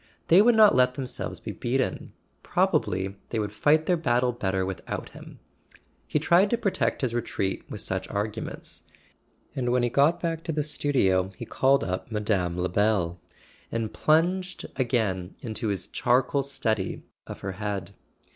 They would not let themselves be beaten—probably they would fight their battle better without him. He tried to protect his retreat with such arguments, and when he got back to the studio he called up Mme. Lebel, and plunged again into his char¬ coal study of her head.